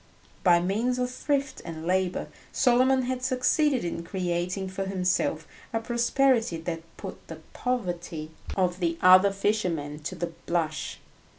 By means of thrift and labour Solomon had succeeded in creating for himself a prosperity that put the poverty of the other fishermen to the blush.